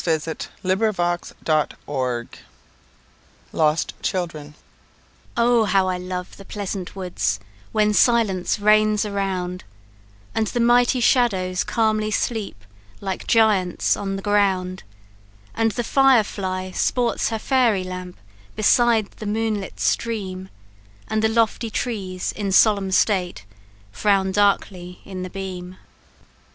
CHAPTER XIII Lost Children "Oh, how I love the pleasant woods, when silence reigns around, And the mighty shadows calmly sleep, like giants on the ground, And the fire fly sports her fairy lamp beside the moonlit stream, And the lofty trees, in solemn state, frown darkly in the beam!" S.M.